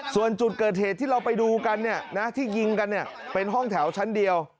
ส่วนจุดเกิดเหตุที่เราไปดูกันที่ยิงกันเป็นห้องแถวชั้นเดียว